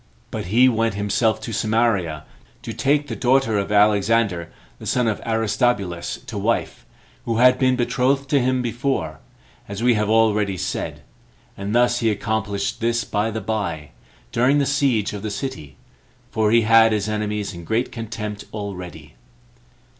But he went himself to Samaria, to take the daughter of Alexander, the son of Aristobulus, to wife, who had been betrothed to him before, as we have already said; and thus he accomplished this by the by, during the siege of the city, for he had his enemies in great contempt already.